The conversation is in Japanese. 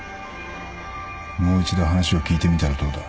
もう一度話を聞いてみたらどうだ？